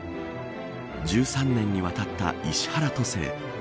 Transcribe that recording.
１３年にわたった石原都政。